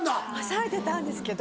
抑えてたんですけど。